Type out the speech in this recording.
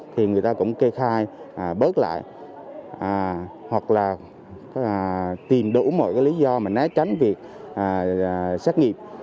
thì người ta cũng kê khai bớt lại hoặc là tìm đủ mọi lý do mà né tránh việc xét nghiệm